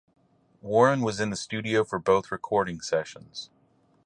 Warren was in the studio for both recording sessions.